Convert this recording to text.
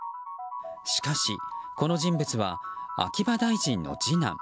しかしこの人物は秋葉大臣の次男。